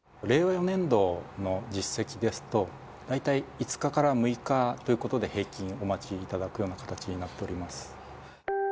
４年度の実績ですと、大体５日から６日ということで、平均お待ちいただくような形になっております。